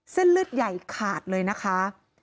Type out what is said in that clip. เส้นเลือดใหญ่ขาดเลยนะคะ